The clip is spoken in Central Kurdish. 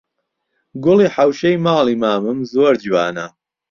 گوڵی حەوشەی ماڵی مامم زۆر جوانە